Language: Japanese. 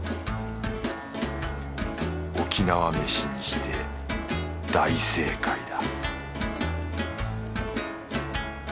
沖縄メシにして大正解だ